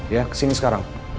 ya kesini sekarang